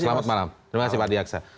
selamat malam terima kasih pak adi aksa